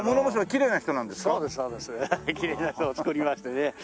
きれいな人を作りましてね。